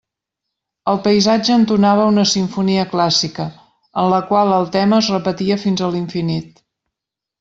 El paisatge entonava una simfonia clàssica, en la qual el tema es repetia fins a l'infinit.